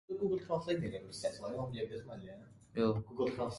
There is reason to think that these women personated the goddess herself.